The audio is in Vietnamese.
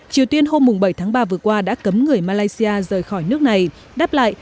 triều tiên hôm bảy tháng ba vừa qua đã cấm người malaysia rời khỏi nước này đáp lại